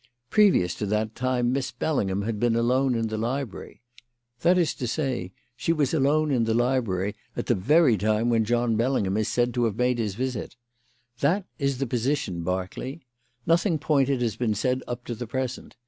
Previous to that time Miss Bellingham had been alone in the library; that is to say, she was alone in the library at the very time when John Bellingham is said to have made his visit. That is the position, Berkeley. Nothing pointed has been said up to the present.